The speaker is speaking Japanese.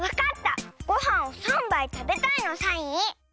ごはんを３ばいたべたいのサイン！